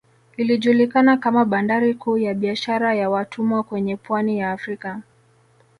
Ilijulikana kama bandari kuu ya biashara ya watumwa kwenye pwani ya Afrika